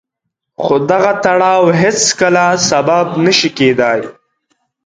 خو دغه تړاو هېڅکله سبب نه شي کېدای.